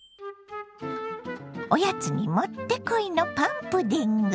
おやつに持ってこいのパンプディング。